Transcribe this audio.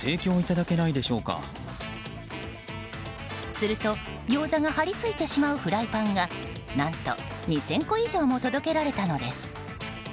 するとギョーザが張り付いてしまうフライパンが何と２０００個以上も届けられたのです。